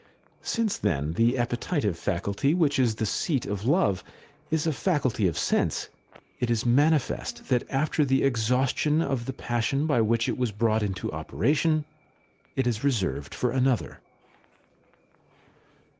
Since, then, the appetitive faculty, which is the seat of love, is a faculty of sense, it is manifest that after the exhaustion of the passion by which it was brought into operation it is reserved for another.